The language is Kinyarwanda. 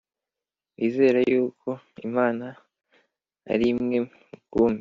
Wizera yuko imana ari imwe rukumbi